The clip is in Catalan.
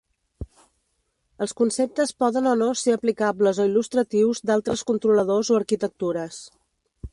Els conceptes poden o no ser aplicables o il·lustratius d'altres controladors o arquitectures.